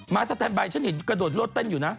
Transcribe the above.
มาสแตนบายฉันเห็นกระโดดรถเต้นอยู่นะ